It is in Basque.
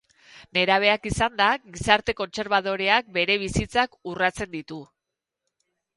Nerabeak izanda, gizarte kontserbadoreak bere bizitzak urratzen ditu.